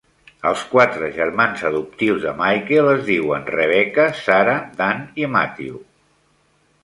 Els quatre germans adoptius de Michael es diuen Rebecca, Sara, Dan i Matthew.